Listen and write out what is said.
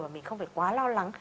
và mình không phải quá lo lắng